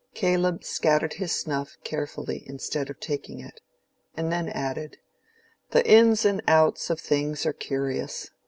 Caleb scattered his snuff carefully instead of taking it, and then added, "The ins and outs of things are curious.